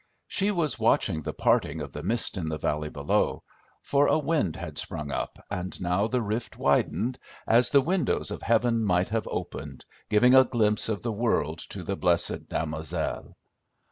She was watching the parting of the mist in the valley below; for a wind had sprung up, and now the rift widened, as the windows of heaven might have opened, giving a glimpse of the world to the "Blessed Damozel."